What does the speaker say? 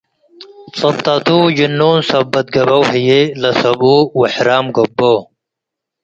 ጹብጠቱ ጅኑን ሰበት ገብአው ህዬ፡ ለሰብኡ ውሕራም ገብኦ።